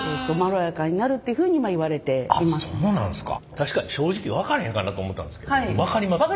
確かに正直分からへんかなと思ったんですけど分かりますね。